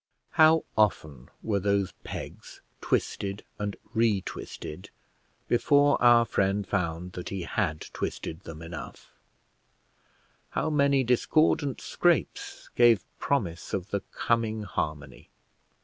How often were those pegs twisted and re twisted before our friend found that he had twisted them enough; how many discordant scrapes gave promise of the coming harmony.